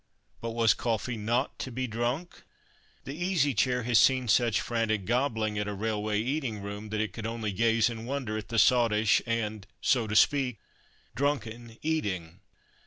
But was coffee not to be drunk? The Easy Chair has seen such frantic gobbling at a railway eating room that it could only gaze in wonder at the sottish and, so to speak, drunken eating.